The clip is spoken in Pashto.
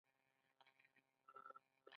چې دی به له سبا نه د سپي د پیدا کولو هڅه کوي.